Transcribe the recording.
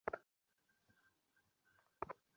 ভালো করেই জানো এটা অসম্ভব।